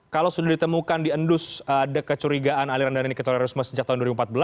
kalau sudah ditemukan diendus ada kecurigaan aliran dana ini ke terorisme sejak tahun dua ribu empat belas